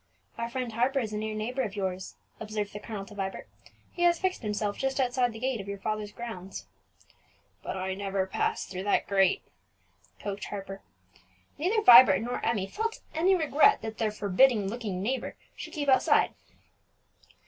"Our friend Harper is a near neighbour of yours," observed the colonel to Vibert. "He has fixed himself just outside the gate of your father's grounds." "But I never pass through that gate," croaked Harper. Neither Vibert nor Emmie felt any regret that their forbidding looking neighbour should keep outside.